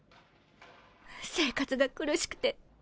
生活が苦しくてつい。